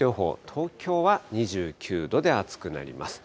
東京は２９度で暑くなります。